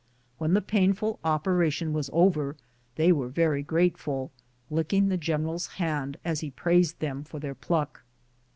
When the painful operation was over they were very grateful, licking the general's hand as he praised them for their pluck.